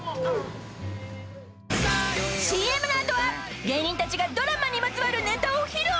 ［ＣＭの後は芸人たちがドラマにまつわるネタを披露］